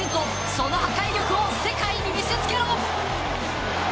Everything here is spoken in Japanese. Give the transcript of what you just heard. その破壊力を世界に見せつけろ。